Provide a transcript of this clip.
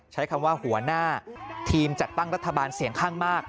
ใช้คำว่าหัวหน้าทีมจัดตั้งรัฐบาลเสียงข้างมาก